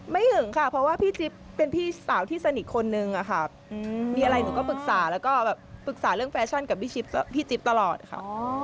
หึงค่ะเพราะว่าพี่จิ๊บเป็นพี่สาวที่สนิทคนนึงอะค่ะมีอะไรหนูก็ปรึกษาแล้วก็แบบปรึกษาเรื่องแฟชั่นกับพี่จิ๊บตลอดค่ะ